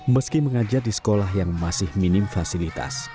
meski mengajar di sekolah yang masih minim fasilitas